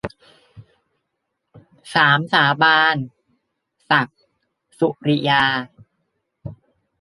สามสาบาน - ศักดิ์ สุริยา